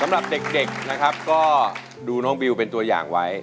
สำหรับเด็กนะครับก็ดูน้องบิวเป็นตัวอย่างไว้